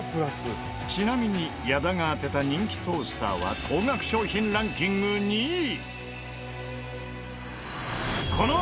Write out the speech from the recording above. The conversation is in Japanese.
ちなみに矢田が当てた人気トースターは高額商品ランキング２位。